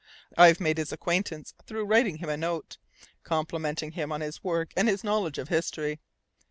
I've made his acquaintance through writing him a note, complimenting him on his work and his knowledge of history.